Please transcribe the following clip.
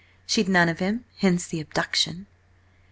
She'd none of him: hence the abduction."